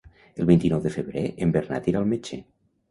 El vint-i-nou de febrer en Bernat irà al metge.